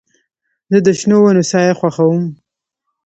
زه د شنو ونو سایه خوښوم.